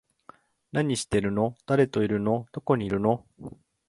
何してるの？誰といるの？どこにいるの？